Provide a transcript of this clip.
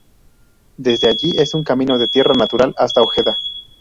Desde allí es un camino de tierra natural hasta Ojeda.